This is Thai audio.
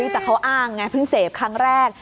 แต่เขาอ้างไงเพิ่งเสพครั้งแรก